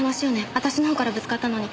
私のほうからぶつかったのに。